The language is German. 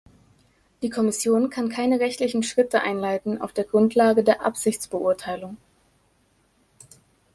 Die Kommission kann keine rechtlichen Schritte einleiten auf der Grundlage der Absichtsbeurteilung.